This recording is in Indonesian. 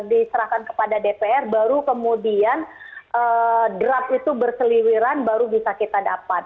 diserahkan kepada dpr baru kemudian draft itu berseliwiran baru bisa kita dapat